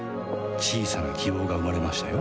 小さな希望が生まれましたよ